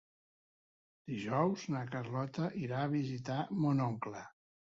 Dijous na Carlota irà a visitar mon oncle.